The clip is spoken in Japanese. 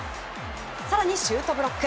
更に、シュートブロック。